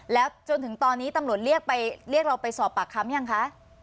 แล้วจนถึงตอนนี้ตำรวจเรียกไปเรียกเราไปสอบปากคำยังคะ